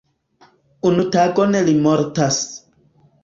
Unu tagon li mortas.